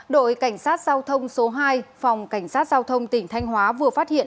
đội cảnh sát giao thông số hai phòng cảnh sát giao thông tỉnh thanh hóa vừa phát hiện